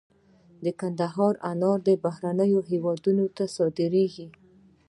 د کندهار انار بهرنیو هیوادونو ته صادریږي.